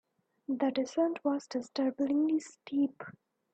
The descent was disturbingly steep.